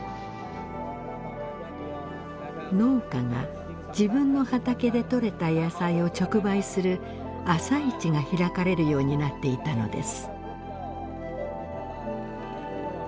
農家が自分の畑で取れた野菜を直売する朝市が開かれるようになっていたのです。